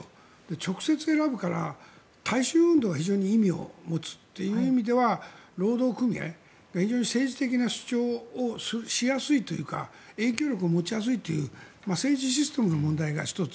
直接選ぶから、大衆運動は非常に意味を持つという意味では労働組合が非常に政治的な主張をしやすいというか影響力を持ちやすいという政治システムの問題が１つ。